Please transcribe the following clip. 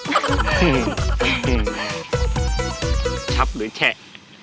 กระชับหรือแชะ